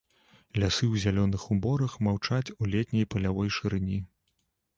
Лясы ў зялёных уборах маўчаць у летняй палявой шырыні.